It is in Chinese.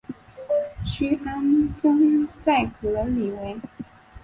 屈安丰塞格里韦。